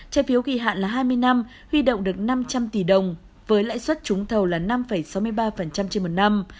trái phiếu kỳ hạn hai mươi năm huy động được một tỷ đồng với lãi suất chúng thầu là năm sáu mươi ba trên một năm